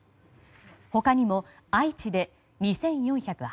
他にも愛知で２４８１人